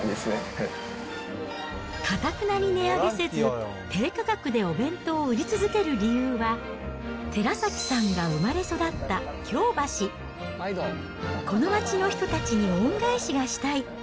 かたくなに値上げせず、低価格でお弁当を売り続ける理由は、寺崎さんが生まれ育った京橋、この街の人たちに恩返しがしたい。